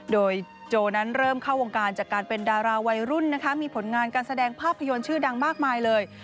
โดยโจนั้นเริ่มเข้าวงการจากการเป็นดาราวัยรุ่นนะคะมีผลงานการแสดงภาพยนตร์ชื่อดังมากมายเลย